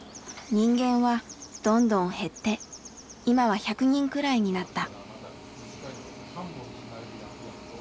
人間はどんどん減って今は１００人くらいになった。